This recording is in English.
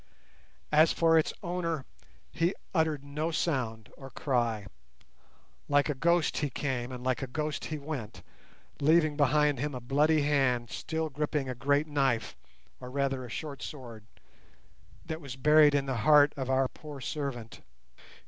As for its owner, he uttered no sound or cry. Like a ghost he came, and like a ghost he went, leaving behind him a bloody hand still gripping a great knife, or rather a short sword, that was buried in the heart of our poor servant.